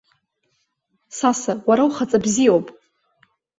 Саса, уара ухаҵа бзиоуп!